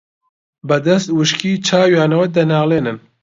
بەدەست وشکی چاویانەوە دەناڵێنن